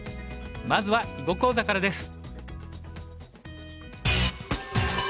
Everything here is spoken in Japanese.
まずは囲碁講座からです。